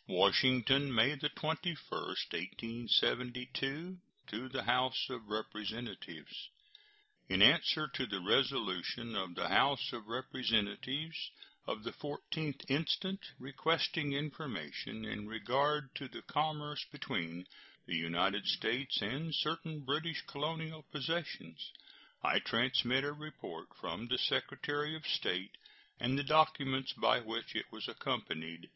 ] WASHINGTON, May 21, 1872. To the House of Representatives: In answer to the resolution of the House of Representatives of the 14th instant, requesting information in regard to the commerce between the United States and certain British colonial possessions, I transmit a report from the Secretary of State and the documents by which it was accompanied.